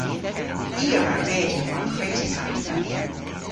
I a wra redya mar kwre'ta skrifa.